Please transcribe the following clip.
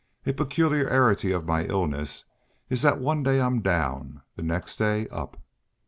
A peculiarity of my illness is that one day I'm down, the next day up."